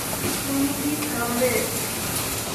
তুমি কি থামবে?